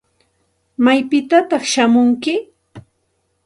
¿Maypitataq shamunki?